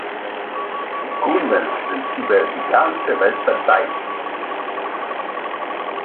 Die Kunden sind über die ganze Welt verteilt.